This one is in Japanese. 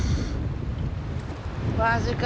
マジか。